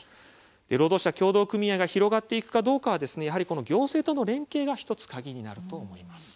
労働者協同組合が広がっていくかどうかはやはり行政との連携が１つ鍵になると思います。